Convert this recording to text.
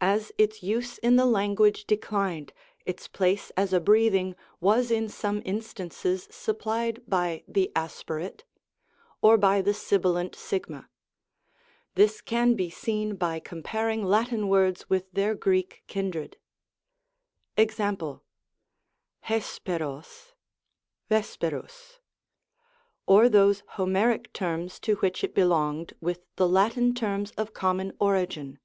As its use in the language declined, its place as a breathing was in some instances supplied by the aspi rate ('), or by the sibilant a. This can be seen by comparing Latin words with their Greek kindred. jEfe., tOTttQogy vesperus ; or those Homeric terms to which it belonged with the Latin terms of common origin.